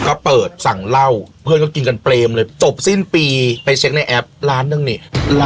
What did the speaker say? ก็เปิดสั่งเล่าเพื่อนกับกริบเปลมเลยจบสิ้นปีกิจเข้าแอปล้านจึงได้